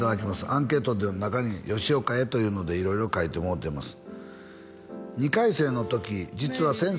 アンケートの中に「吉岡へ」というので色々書いてもろてます